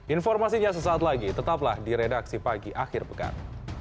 informasinya sesaat lagi tetaplah di redaksi pagi akhir pekan